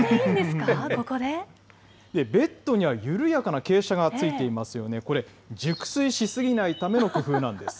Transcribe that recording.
ベッドには緩やかな傾斜がついていますよね、これ、熟睡し過なるほど。